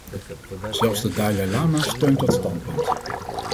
Zelfs de dalai lama steunt dat standpunt.